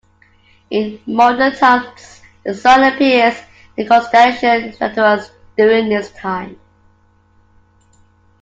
In modern times the sun appears in the constellation Sagittarius during this time.